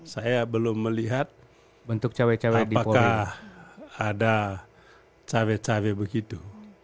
saya belum melihat apakah ada cewek cewek begitu